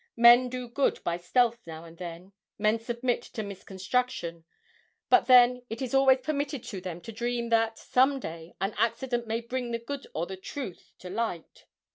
Men do good by stealth now and then, men submit to misconstruction, but then it is always permitted to them to dream that, some day, an accident may bring the good or the truth to light.